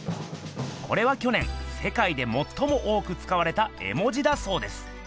これはきょ年せかいでもっとも多くつかわれた絵文字だそうです。